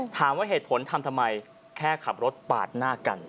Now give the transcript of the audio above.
ถามว่าเหตุผลทำทำไมแค่ขับรถปาดหน้ากัน